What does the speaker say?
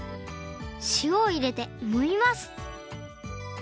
しおをいれてもみます